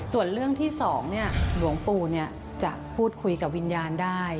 ส่วนเรื่องที่๒หลวงปู่จะพูดคุยกับวิญญาณได้